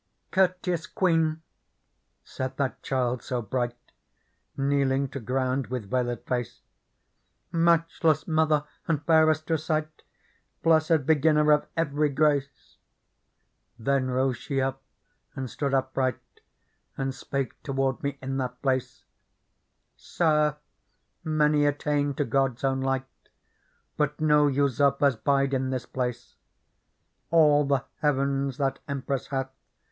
" Courteous Queen !" said that child so bright, Kneeling to ground with veiled face ;*' Matchless mother and fairest to sight. Blessed beginner of every grace !" Then rose she up and stood upright. And spake toward me in that place : "Sir, many attain to God's own light ; But no usurpers bide in this place : All the heavens that Empress hath.